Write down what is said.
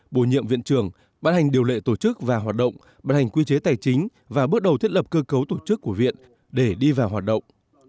bổ nhiệm viện trường ban hành điều lệ tổ chức và hoạt động bật hành quy chế tài chính và bước đầu thiết lập cơ cấu tổ chức của viện để đi vào hoạt động